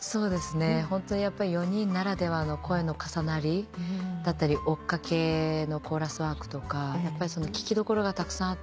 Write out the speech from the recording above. ホントに４人ならではの声の重なりだったり追っ掛けのコーラスワークとか聴きどころがたくさんあって。